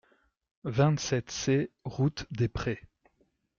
vingt-sept C route des Prés